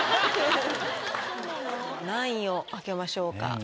何位を開けましょうか？